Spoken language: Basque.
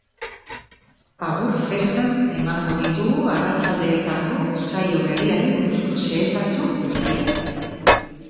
Agur-festan emango ditugu arratsaldeetako saio berriari buruzko xehetasun guztiak.